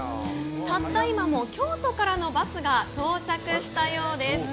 たった今も京都からのバスが到着したようです。